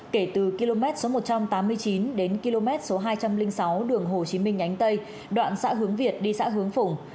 kể từ km một trăm tám mươi chín đến km hai trăm linh sáu đường hồ chí minh nhánh tây đoạn xã hướng việt đi xã hướng phủng